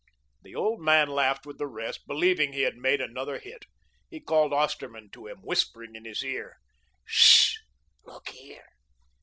The old man laughed with the rest, believing he had made another hit. He called Osterman to him, whispering in his ear: "Sh! Look here!